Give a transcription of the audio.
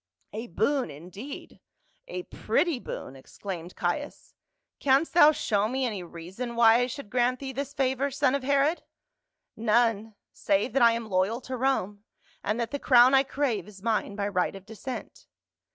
"A boon indeed — a pretty boon !" exclaimed Caius. " Canst thou show me any reason why I should grant thee this favor, son of Herod ?"" None, save that I am loyal to Rome, and that the crown I crave is mine by right of descent."